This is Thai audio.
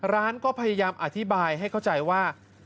ร้านก็พยายามอธิบายให้เข้าใจว่า